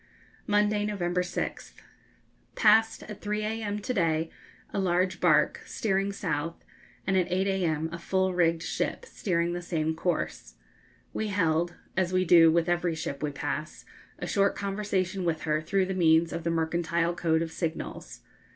Monday, November 6th. Passed, at 3 a.m. to day, a large barque, steering south, and at 8 a.m. a full rigged ship, steering the same course. We held as we do with every ship we pass a short conversation with her through the means of the mercantile code of signals.